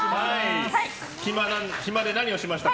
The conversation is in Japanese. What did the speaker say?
暇で何をしましたか？